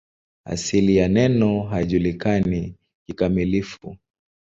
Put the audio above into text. Asili ya neno haijulikani kikamilifu.